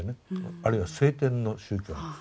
あるいは聖典の宗教なんです。